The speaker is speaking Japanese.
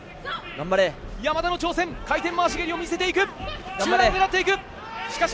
山田の挑戦回転回し蹴りで攻めていく。